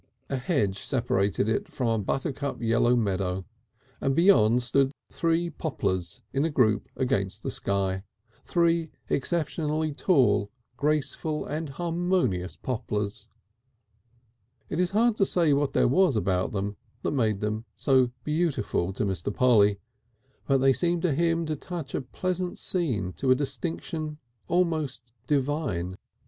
A hedge separated it from a buttercup yellow meadow, and beyond stood three poplars in a group against the sky, three exceptionally tall, graceful and harmonious poplars. It is hard to say what there was about them that made them so beautiful to Mr. Polly; but they seemed to him to touch a pleasant scene to a distinction almost divine.